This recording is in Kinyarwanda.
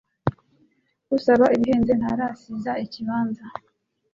Usaba ibihenze ntarasiza ikibanza